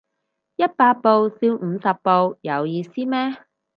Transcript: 一百步笑五十步有意思咩